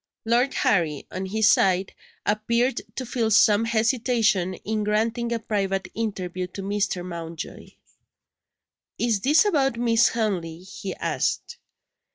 Lord Harry, on his side, appeared to feel some hesitation in granting a private interview to Mr. Mountjoy. "Is it about Miss Henley?" he asked.